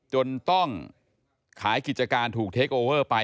จนต้องขายกิจการถูกเทคโอเวอร์ไป